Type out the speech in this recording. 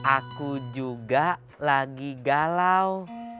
aku juga lagi galau